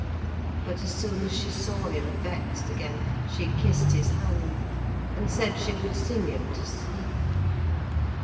But as soon as she saw him vexed again, she kissed his hand, and said she would sing him to sleep.